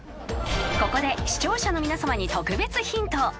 ［ここで視聴者の皆さまに特別ヒント］